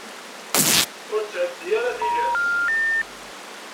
Ur ttεeddi ara tilas.